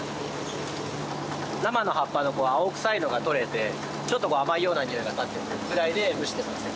生の葉っぱの青くさいのが取れてちょっと甘いようなにおいが立ってくるぐらいで蒸してますね。